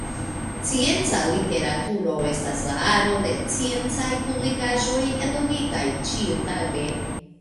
Scienca literaturo estas la aro de sciencaj publikaĵoj eldonitaj ĉiutage.